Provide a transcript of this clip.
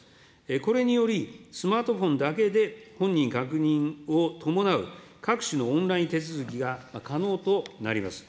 これにより、スマートフォンだけで本人確認を伴う各種のオンライン手続きが可能となります。